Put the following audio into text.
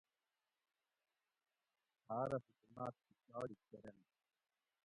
ہاۤرہ حکوماۤت پشاڑی کۤرینت